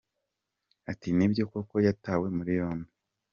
Ati” Nibyo koko yatawe muri yombi.